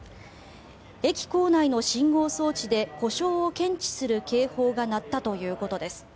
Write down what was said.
駅構内の信号装置で故障を検知する警報が鳴ったということです。